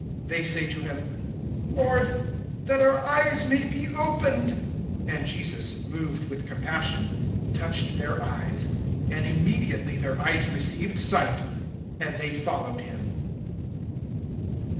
(33)They say to him: Lord, that our eyes may be opened. (34)And Jesus, moved with compassion, touched their eyes; and immediately their eyes received sight; and they followed him.